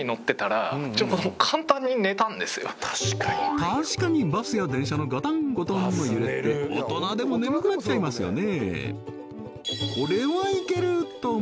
確かにバスや電車のガタンゴトンの揺れって大人でも眠くなっちゃいますよね